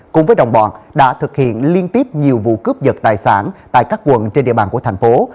cùng với đồng bọn đã thực hiện liên tiếp nhiều vụ cướp dật tài sản tại các quận trên địa bàn của thành phố